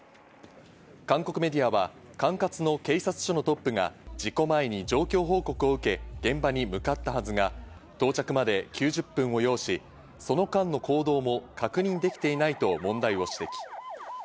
韓国メディアは管轄の警察署のトップが事故前に状況報告を受け、現場に向かったはずが、到着まで９０分を要し、その間の行動も確認できていないと問題を指摘。